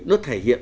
nó thể hiện